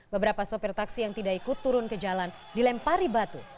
beberapa sopir taksi yang tidak ikut turun ke jalan dilempari batu